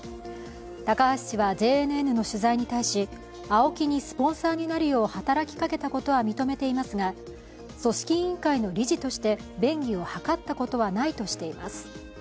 高橋氏はＪＮＮの取材に対し、ＡＯＫＩにスポンサーになるよう働きかけたことは認めていますが組織委員会の理事として便宜を図ったことはないとしています。